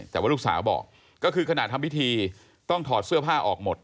แต่ว่าลูกสาวบอกก็คือขณะทำพิธีต้องถอดเสื้อผ้าออกหมด